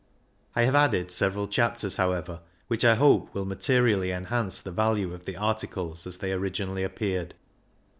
I have added several chapters, however, which I hope will materially enhance the value of the articles as they originally appeared.